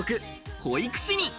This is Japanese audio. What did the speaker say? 保育士に。